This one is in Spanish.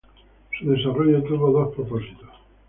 Su desarrollo tuvo dos propósitos.